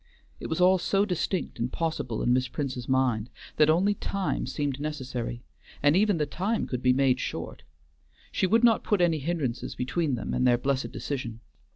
It was all so distinct and possible in Miss Prince's mind that only time seemed necessary, and even the time could be made short. She would not put any hindrances between them and their blessed decision.